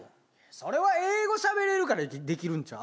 それは英語しゃべれるからできるんちゃう？